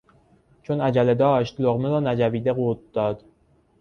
چون عجله داشت لقمه را نجویده قورت داد.